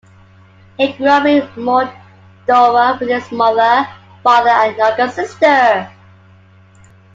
He grew up in Moldova with his mother, father and younger sister.